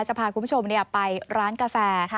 จะพาคุณผู้ชมไปร้านกาแฟ